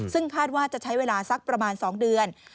ซึ่งคาดว่าจะใช้เวลาสักประมาณ๒เดือน